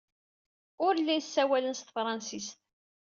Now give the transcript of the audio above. Ur llin ssawalen s tefṛensist.